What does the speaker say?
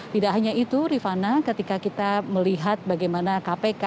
tidak hanya itu rifana ketika kita melihat bagaimana kpk